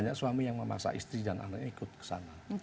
kami yang memaksa istri dan anaknya ikut ke sana